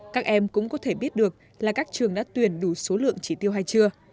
các em cũng có thể biết được là các trường đã tuyển đủ số lượng chỉ tiêu hay chưa